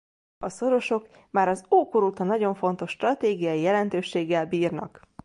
A Szorosok már az ókor óta nagyon fontos stratégiai jelentőséggel bírnak.